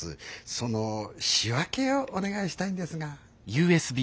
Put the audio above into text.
その仕分けをお願いしたいんですが。